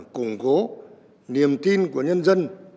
cùng cố niềm tin của nhân dân